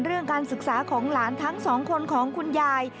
เรื่องการศึกษาของหลานทั้งสองคนของคุณยาย